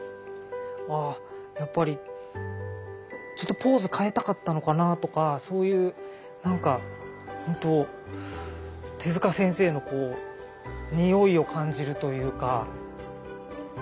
あやっぱりちょっとポーズ変えたかったのかなとかそういうなんか本当手先生のこう匂いを感じるというか。